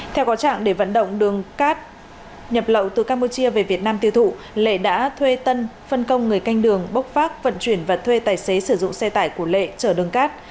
theo có trạng để vận động đường cát nhập lậu từ campuchia về việt nam tiêu thụ lệ đã thuê tân phân công người canh đường bốc phát vận chuyển và thuê tài xế sử dụng xe tải của lệ chở đường cát